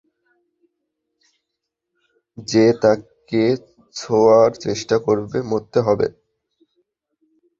যে তাকে ছোয়ার চেষ্টা করবে, মরতে হবে।